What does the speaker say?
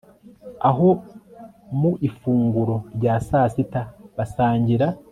Aho mu ifunguro rya saa sita basangira